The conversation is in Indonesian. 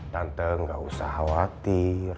tante gak usah khawatir